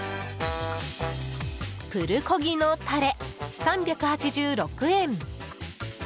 プルコギのたれ、３８６円。